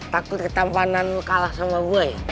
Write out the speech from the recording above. takut ketampanan lo kalah sama gue ya